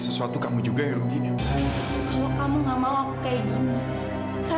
iza gak mau nikah sama aku aida